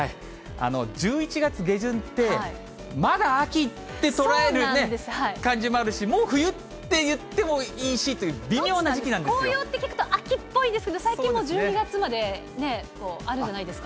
１１月下旬って、まだ秋って捉える感じもあるし、もう冬って言ってもいいしという紅葉って聞くと、秋っぽいですが、最近１２月まであるじゃないですか。